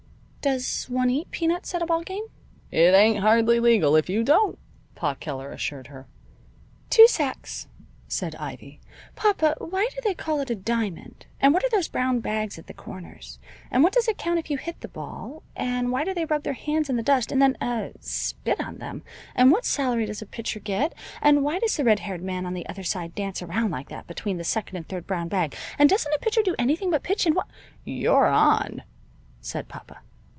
"Does one eat peanuts at a ball game?" "It ain't hardly legal if you don't," Pa Keller assured her. "Two sacks," said Ivy. "Papa, why do they call it a diamond, and what are those brown bags at the corners, and what does it count if you hit the ball, and why do they rub their hands in the dust and then er spit on them, and what salary does a pitcher get, and why does the red haired man on the other side dance around like that between the second and third brown bag, and doesn't a pitcher do anything but pitch, and wh ?" "You're on," said papa.